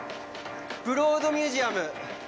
ブロードミュージアム。